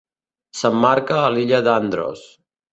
S'emmarca a l'illa d'Andros.